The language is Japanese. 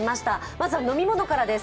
まずは飲み物からです。